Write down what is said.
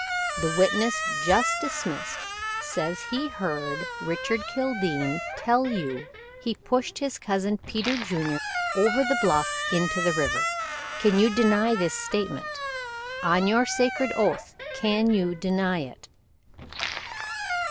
The witness just dismissed says he heard Richard Kildene tell you he pushed his cousin Peter Junior over the bluff into the river. Can you deny this statement? On your sacred oath can you deny it?"